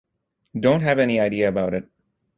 Don't have any idea about it.